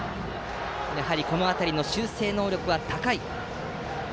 この辺りの修正能力は高い２